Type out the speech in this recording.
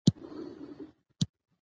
د دې نه علاوه کۀ داسې خيالونه وي